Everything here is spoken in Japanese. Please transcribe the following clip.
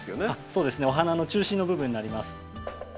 そうですねお花の中心の部分になります。